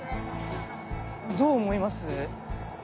どう思います？